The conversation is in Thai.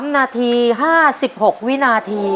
๓นาที๕๖วินาที